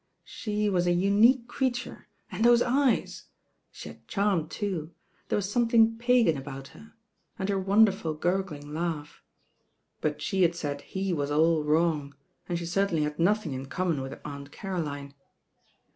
She was a unique creature, and those gresi She had charm too, there was something Pagan about her, and her wonderful gurgling laugh; but she had said he was all wrong, and she certainly Had nothing m common with Aunt Caroline.